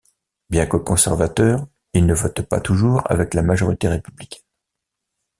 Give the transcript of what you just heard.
Bien que conservateur, il ne vote pas toujours avec la majorité républicaine.